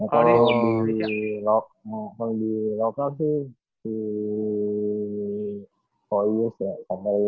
kalau di lokal tuh si koyus sama si ragil